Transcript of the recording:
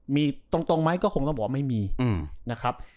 มีตรงไหมก็คงต้องบอกไม่มีนะครับ